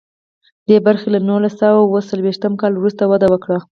دې برخې له نولس سوه اوه څلویښتم کال وروسته وده وکړه.